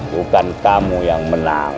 bukan kamu yang menang